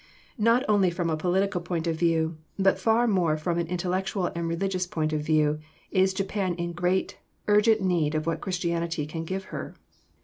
] Not only from a political point of view, but far more from an intellectual and religious point of view, is Japan in great, urgent need of what Christianity can give her.